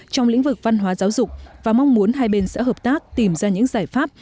trong lĩnh vực văn hóa giáo dục và mong muốn hai bên sẽ hợp tác tìm ra những giải pháp